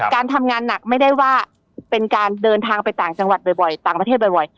การทำงานหนักไม่ได้ว่าเป็นการเดินทางไปต่างจังหวัดบ่อยต่างประเทศบ่อย